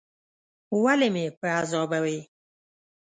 ولي مې په عذابوې ؟